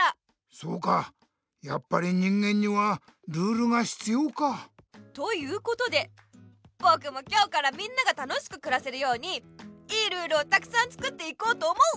そうかやっぱり人間にはルールが必要か。ということでぼくも今日からみんながたのしくくらせるようにいいルールをたくさん作っていこうと思う！